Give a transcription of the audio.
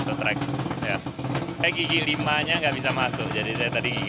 saya gigi lima nya tidak bisa masuk jadi saya tadi gigi empat saja